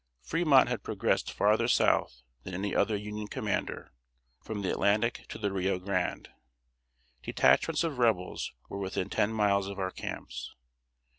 Fremont had progressed farther south than any other Union commander, from the Atlantic to the Rio Grande. Detachments of Rebels were within ten miles of our camps.